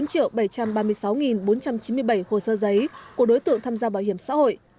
bốn bảy trăm ba mươi sáu bốn trăm chín mươi bảy hồ sơ giấy của đối tượng tham gia bảo hiểm xã hội